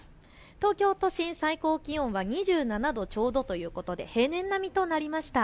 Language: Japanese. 東京都心、最高気温は２７度ちょうどということで平年並みとなりました。